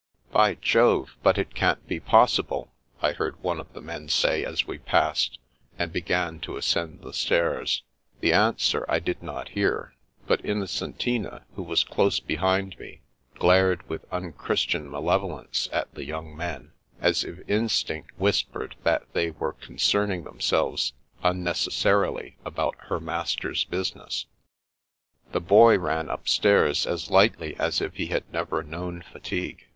" By Jove, but it can't be possible !" I heard one of the men say as we passed and began to ascend the stairs. The answer I did not hear ; but Innocen tina, who was close behind me, glared with unchris tian malevolence at the young men, as if instinct whispered that they were concerning themselves unnecessarily about her master's business. The Boy ran upstairs as lightly as if he had never known fatigue.